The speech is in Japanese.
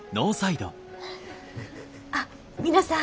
あっ皆さん。